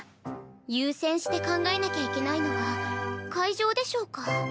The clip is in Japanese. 優先して考えなきゃいけないのは会場でしょうか。